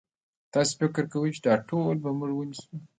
تاسو فکر کوئ چې دا ټول به موږ ونیسو؟